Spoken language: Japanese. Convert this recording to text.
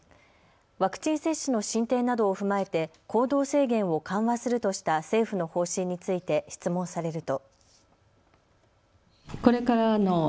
ワクチン接種の進展などを踏まえて行動制限を緩和するとした政府の方針について質問されると。